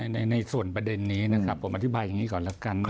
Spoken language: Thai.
ในส่วนประเด็นนี้นะครับผมอธิบายอย่างนี้ก่อนแล้วกัน